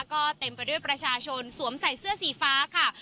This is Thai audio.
ก็เต็มไปด้วยประชาชนสวมใส่เสื้อสีฟ้าค่ะ